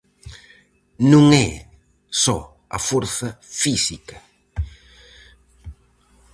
Non é só a forza física.